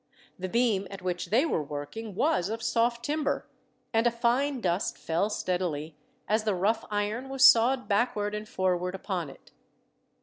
The beam at which they were working was of soft timber, and a fine dust fell steadily, as the rough iron was sawed backward and forward upon it.